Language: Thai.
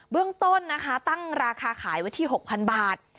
เรื่องต้นนะคะตั้งราคาขายไว้ที่๖๐๐๐บาท